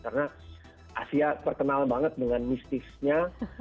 karena asia terkenal banget dengan mistisnya